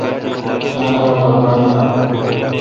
نادرا پر گانٹھ یال۔